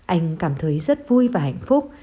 anh cảm thấy rất vui và hạnh phúc